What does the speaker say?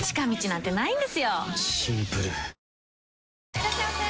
いらっしゃいませ！